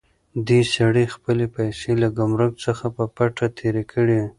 دې سړي خپلې پیسې له ګمرک څخه په پټه تېرې کړې.